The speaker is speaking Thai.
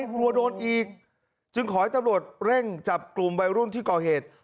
กลัวโดนอีกจึงขอให้ตำรวจเร่งจับกลุ่มวัยรุ่นที่ก่อเหตุ